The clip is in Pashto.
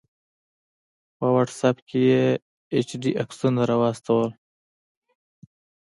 په واټس آپ کې یې ایچ ډي عکسونه راواستول